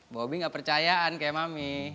bobi nggak percayaan kayak mami